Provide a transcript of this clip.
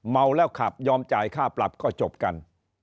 เมาแล้วขับยอมจ่ายค่าปรับก็จบกัน